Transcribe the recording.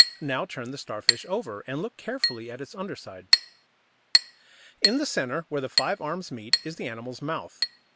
Now turn the Starfish over, and look carefully at its underside. In the centre, where the five arms meet, is the animal's mouth.